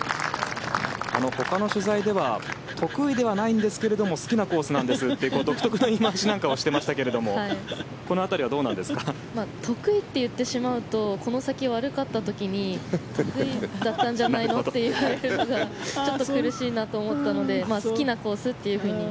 ほかの取材では得意ではないんですけど好きなコースなんですという独特の言い回しなんかもしていましたが得意と言ってしまうとこの先、悪かった時に得意だったんじゃないのといわれるのがちょっと苦しいなと思ったので好きなコースというふうに。